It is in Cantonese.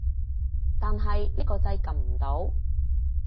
但係呢個掣撳唔到